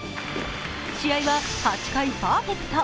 試合は８回パーフェクト。